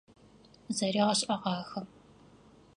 Зэригъэшӏэгъахэ.